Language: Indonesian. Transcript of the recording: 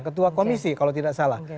ketua komisi kalau tidak salah